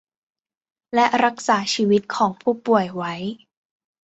และรักษาชีวิตของผู้ป่วยไว้